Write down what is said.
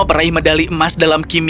peraih medali emas dalam kimia